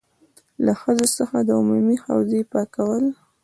له ښځو څخه د عمومي حوزې پاکول.